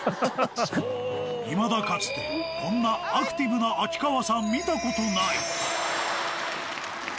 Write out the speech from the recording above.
いまだかつて、こんなアクティブな秋川さん、見たことない。